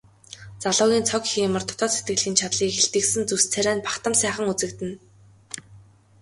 Залуугийн цог хийморь дотоод сэтгэлийн чадлыг илтгэсэн зүс царай нь бахдам сайхан үзэгдэнэ.